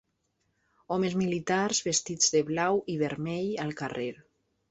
Homes militars vestits de blau i vermell al carrer.